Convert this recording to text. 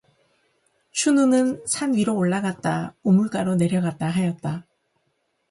춘우는 산 위로 올라갔다 우물가로 내려갔다 하였다.